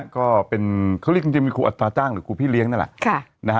เขาเรียกว่าครูอัตราจ้างหรือครูพี่เลี้ยงนั่นแหละ